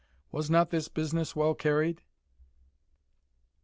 Was not this business well carried?